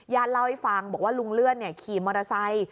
เล่าให้ฟังบอกว่าลุงเลื่อนขี่มอเตอร์ไซค์